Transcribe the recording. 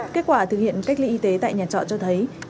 kết quả thực hiện cách ly y tế tại nhà trọ cho thấy